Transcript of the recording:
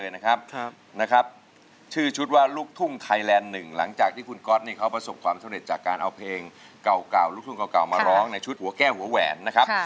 นะครับชื่อชุดว่าลูกทุ่งไทยแลนด์หนึ่งหลังจากที่คุณก๊อตนี่เขาประสบความสำเร็จจากการเอาเพลงเก่าลูกทุ่งเก่ามาร้องในชุดหัวแก้วหัวแหวนนะครับ